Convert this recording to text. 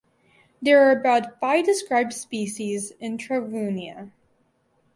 There are about five described species in "Travunia".